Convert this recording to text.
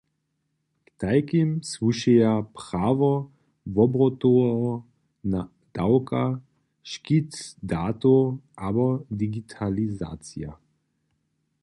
K tajkim słušeja prawo wobrotoweho dawka, škit datow abo digitalizacija.